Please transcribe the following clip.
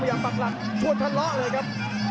ปากหลังชวนทะเลาะเลยครับ